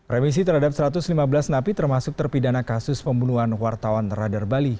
remisi terhadap satu ratus lima belas napi termasuk terpidana kasus pembunuhan wartawan radar bali